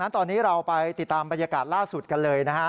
ตอนนี้เราไปติดตามบรรยากาศล่าสุดกันเลยนะฮะ